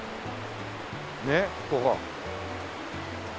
ねっここ。